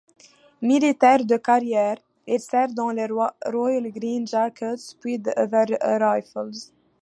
Militaire de carrière, il sert dans les Royal Green Jackets puis The Rifles.